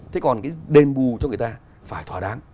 thế còn cái đền bù cho người ta phải thỏa đáng